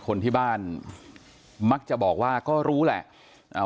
คนที่บ้านมักจะบอกว่าก็รู้แหละอ่า